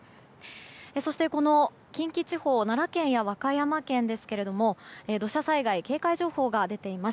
そして、近畿地方奈良県や和歌山県ですが土砂災害警戒情報が出ています。